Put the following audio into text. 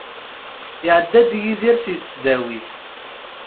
Iεedda-d Yidir si tesdawit.